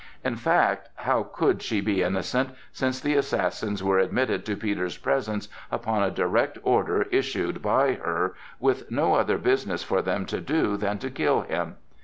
In fact, how could she be innocent, since the assassins were admitted to Peter's presence upon a direct order issued by her, with no other business for them to do than to kill him?